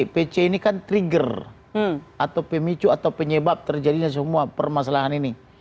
pc ini kan trigger atau pemicu atau penyebab terjadinya semua permasalahan ini